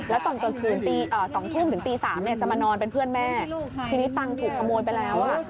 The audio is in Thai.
แล้วตอนกลางคืนตี๒ทุ่มถึงตี๓เนี่ยจะมานอนเป็นเพื่อนแม่ทีนี้ตังค์ถูกขโมยไปแล้วอ่ะ